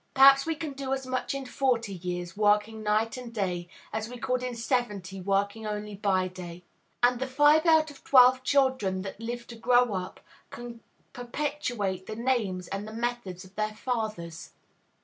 Perhaps we can do as much in forty years, working night and day, as we could in seventy, working only by day; and the five out of twelve children that live to grow up can perpetuate the names and the methods of their fathers.